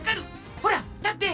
ほらたって！